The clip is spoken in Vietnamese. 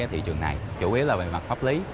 thị trường này chủ yếu là về mặt pháp lý